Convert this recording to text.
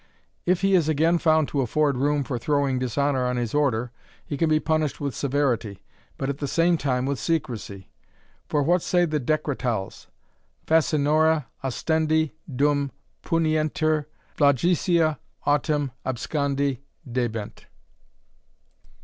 If he is again found to afford room for throwing dishonour on his order, he can be punished with severity, but at the same time with secrecy. For what say the Decretals! Facinora ostendi dum punientur, flagitia autem abscondi debent."